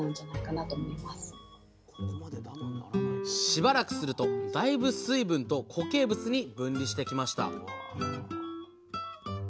しばらくするとだいぶ水分と固形物に分離してきました